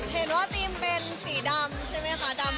เห็นว่าธีมเป็นสีดำใช่ไหมคะดำ